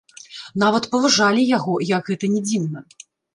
Нават паважалі яго, як гэта ні дзіўна.